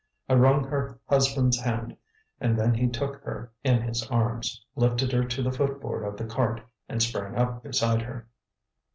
I wrung her husband's hand, and then he took her in his arms, lifted her to the foot board of the cart, and sprang up beside her.